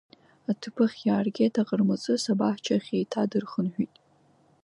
Аҭыԥахь иааргеит аҟармаҵыс, абаҳчахь еиҭадырхынҳәит.